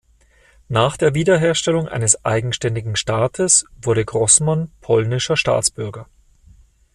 Nach der Wiederherstellung eines eigenständigen Staates wurde Grossmann polnischer Staatsbürger.